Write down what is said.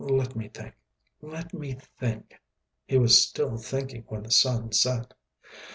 "Let me think. "Let me think." He was still thinking when the sun set.